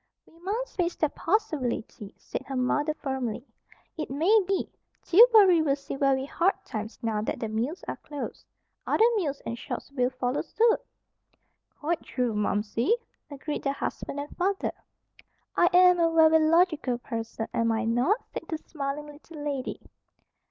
"We must face that possibility," said her mother firmly. "It may be. Tillbury will see very hard times now that the mills are closed. Other mills and shops will follow suit." "Quite true, Momsey," agreed the husband and father. "I am a very logical person, am I not?" said the smiling little lady.